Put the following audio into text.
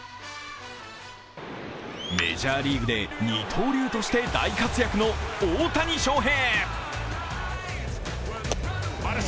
メジャーリーグで二刀流として大活躍の大谷翔平。